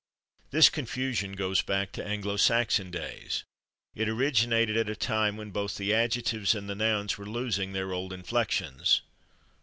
This confusion goes back to Anglo Saxon days; it originated at a time when both the adjectives and the nouns were losing their old inflections.